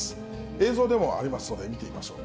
映像でもありますので見てみましょう。